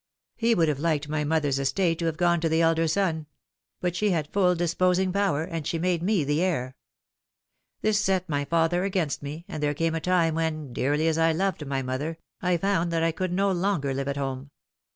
He would have liked my mother's estate to have gone to the elder son ; but she had full disposing power, and she made me her heir. This set my father against me, and there came a time when, dearly as I loved my mother, I found that I could no longer live at home.